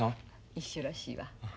一緒らしいわ。